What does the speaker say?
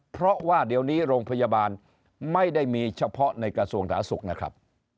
เพราะว่าเดี๋ยวนี้โรงพยาบาลไม่ได้มีเฉพาะในกระทรวงสาธารณสุขนะครับ